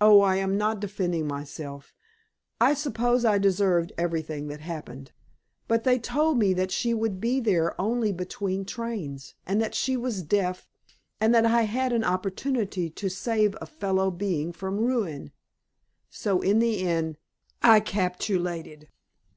Oh, I am not defending myself; I suppose I deserved everything that happened. But they told me that she would be there only between trains, and that she was deaf, and that I had an opportunity to save a fellow being from ruin. So in the end I capitulated.